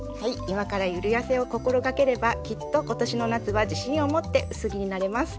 今からゆるやせを心掛ければきっと今年の夏は自信を持って薄着になれます。